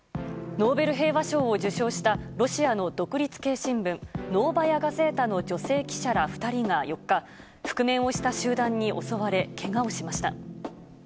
ノーベル平和賞を受賞したロシアの独立系新聞ノーヴァヤ・ガゼータの女性記者ら２人が４日、覆面をした集団に襲われけがをしました。